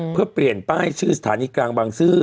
เพื่อเปลี่ยนป้ายชื่อสถานีกลางบางซื่อ